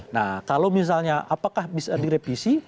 nah kalau misalnya apakah bisa direvisi